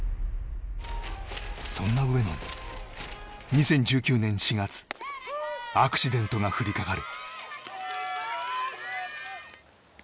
そんな上野に、２０１９年４月アクシデントが降りかかる。